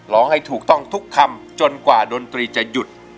ร้องให้ถูกต้องทุกคำจนกว่าดนตรีจะหยุด